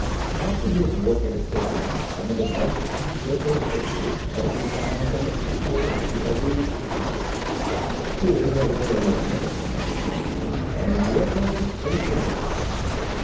After his work at Assisi some of the best of Giotto's pictures are to be found in the Chapel of the Arena at Padua. Here there was a magnificent opportunity and Giotto took full advantage of it.